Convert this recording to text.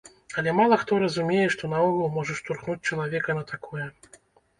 Але мала хто разумее што наогул можа штурхнуць чалавека на такое.